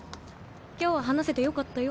今日は話せてよかったよ。